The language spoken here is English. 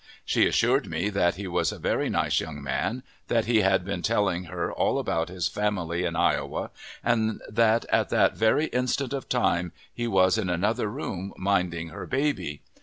She assured me that he was a very nice young man; that he had been telling her all about his family in Iowa; and that at that very instant of time he was in another room minding her baby.